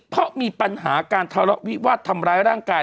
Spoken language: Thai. เพราะมีปัญหาการทะเลาะวิวาสทำร้ายร่างกาย